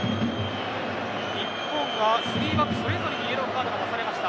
日本、３バックそれぞれにイエローカードが出されました。